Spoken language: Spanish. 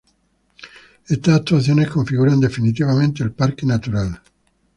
Estas actuaciones configuran definitivamente el Parque Natural.